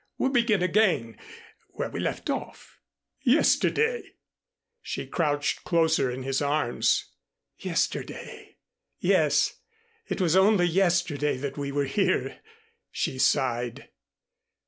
We'll begin again where we left off yesterday." She crouched closer in his arms. "Yesterday. Yes, it was only yesterday that we were here," she sighed.